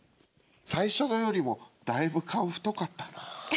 最初のよりもだいぶ顔太かったな。